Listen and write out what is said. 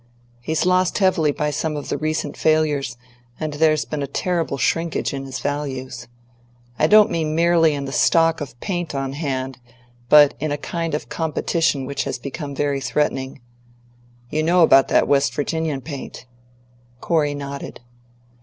He's lost heavily by some of the recent failures, and there's been a terrible shrinkage in his values. I don't mean merely in the stock of paint on hand, but in a kind of competition which has become very threatening. You know about that West Virginian paint?" Corey nodded.